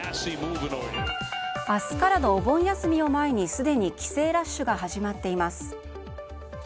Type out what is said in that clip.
明日からのお盆休みを前にすでに帰省ラッシュが始まっています。